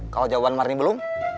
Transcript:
kalo jawaban marni belum